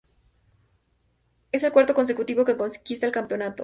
Es el cuarto consecutivo que conquista el campeonato.